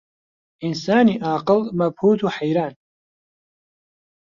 ئینسانی عاقڵ مەبهووت و حەیران